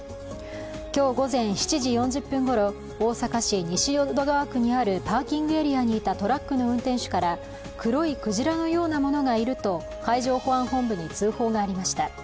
今日午前７時４０分ごろ、大阪市西淀川区にあるパーキングエリアにいたトラックの運転手から黒いクジラのようなものがいると海上保安本部に通報がありました。